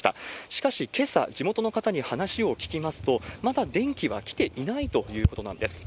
しかしけさ、地元の方に話を聞きますと、まだ電気は来ていないということなんです。